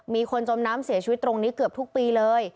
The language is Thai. มีคนจมน้ำเสียชีวิตตรงนี้เกือบทุกปีเลย